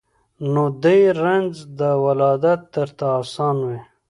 نو دي رنځ د ولادت درته آسان وي